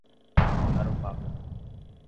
Garopaba